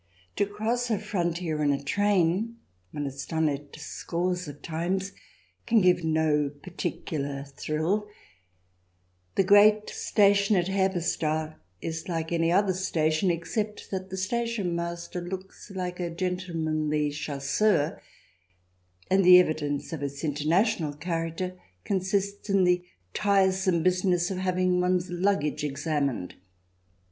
To cross a frontier in a train — one has done it scores of times — can give no particular thrill; the great station at Herbestal is like any other station, except that the station master looks like a gentlemanly chasseur, and the evidence of its international character consists in the tiresome business of having one's luggage examined.